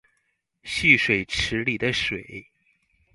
蓄水池裡的水